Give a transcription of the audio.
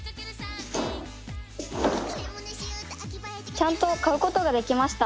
ちゃんと買うことができました。